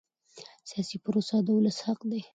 سیاسي پروسه د ولس حق دی